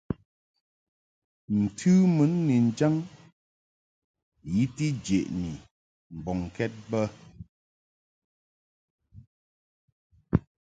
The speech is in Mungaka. Ntɨ mun ni njaŋ i ti jeʼni mbɔŋkɛd bə.